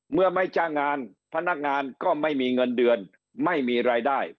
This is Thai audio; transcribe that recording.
เมื่อไม่จ้างงานพนักงานก็ไม่มีเงินเดือนไม่มีรายได้